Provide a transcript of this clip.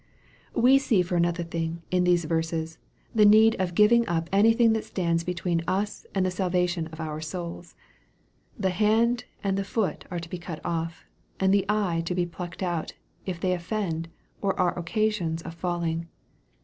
We see, for another thing, in these verses, tht need of giving up anything that stands between us and the salvation of our souls. The " hand" and the " foot" are to be cut off, and the " eye" to be plucked out, if they offend, or are occasions of falling.